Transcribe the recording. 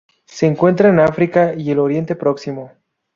Se encuentra en África y el Oriente Próximo.